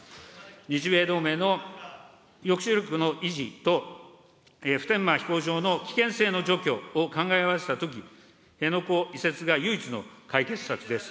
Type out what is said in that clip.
日米同盟の抑止力の維持と、普天間飛行場の危険性の除去を考えましたとき、辺野古移設が唯一の解決策です。